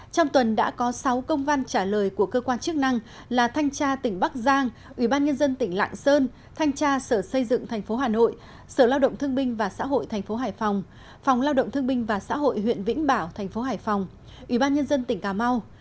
trong tuần đã có sáu công văn trả lời của cơ quan chức năng là thanh tra tỉnh bắc giang ubnd tỉnh lạng sơn thanh tra sở xây dựng thành phố hà nội sở lao động thương binh và xã hội thành phố hải phòng phòng lao động thương binh và xã hội huyện vĩnh bảo thành phố hải phòng ủy ban nhân dân tỉnh cà mau